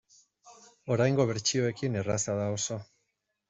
Oraingo bertsioekin erraza da, oso.